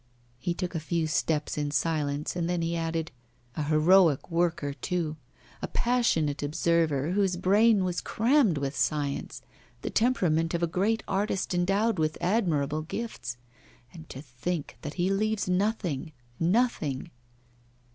He took a few steps in silence, and then he added: 'A heroic worker, too a passionate observer whose brain was crammed with science the temperament of a great artist endowed with admirable gifts. And to think that he leaves nothing, nothing!